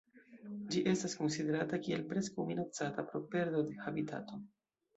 Ĝi estas konsiderata kiel Preskaŭ Minacata pro perdo de habitato.